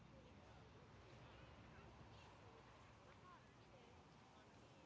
เมื่อเวลาเมื่อเวลาเมื่อเวลาเมื่อเวลา